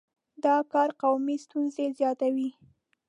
دا کار قومي ستونزې زیاتوي.